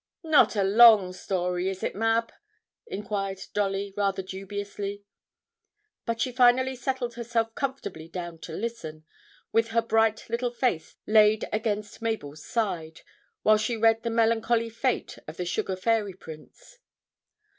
'Not a long story, is it, Mab?' inquired Dolly rather dubiously. But she finally settled herself comfortably down to listen, with her bright little face laid against Mabel's side, while she read the melancholy fate of the sugar fairy prince.